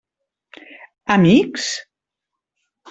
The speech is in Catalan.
Amics?